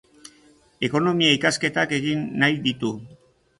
Ekonomia ikasketak egin nahi ditu.